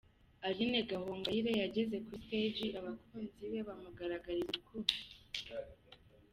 Aline Gahongayire yageze kuri stage, abakunzi be bamugaragariza urukundo.